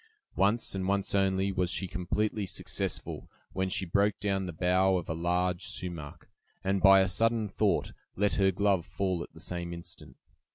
Once, and once only, was she completely successful; when she broke down the bough of a large sumach, and by a sudden thought, let her glove fall at the same instant.